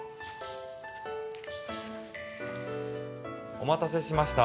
お待たせしました。